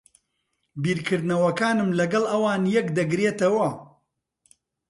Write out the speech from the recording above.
بیرکردنەوەکانم لەگەڵ ئەوان یەک دەگرێتەوە.